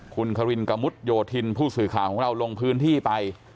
คุณครินกะมุดโยธินผู้สื่อข่าวของเราลงพื้นที่ไป